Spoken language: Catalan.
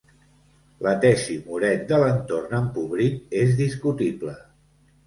La tesi Moret de l'entorn empobrit és discutible.